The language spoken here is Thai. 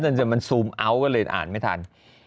มันจะมันซูมเอาท์ก็เลยอ่านไม่ทัน